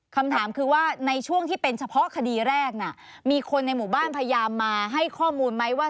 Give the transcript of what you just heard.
คำถามคือว่าในช่วงที่เป็นเฉพาะคดีแรกน่ะมีคนในหมู่บ้านพยายามมาให้ข้อมูลไหมว่า